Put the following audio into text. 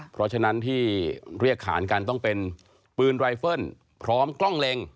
เพราะฉะนั้นที่เรียกขานกันต้องเป็นปืนไรเฟิลพร้อมกล้องเล็ง